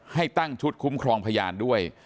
ให้ตั้งชุดคุ้มครองพยานด้วย